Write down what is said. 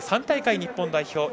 ３大会日本代表